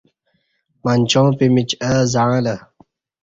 منچاں پمیچ اہ زعݩلہ